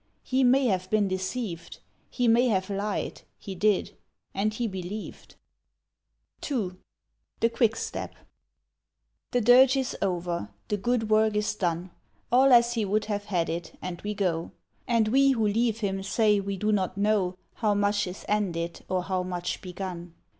— ^He may have been de ceived; He may have lied, — he did; and he believed. M5| LEFFINGWELL II— THE QUICKSTEP The dirge is over, the good work is done, All as he would have had it, and we go; And we who leave him say we do not know How much is ended or how much begun.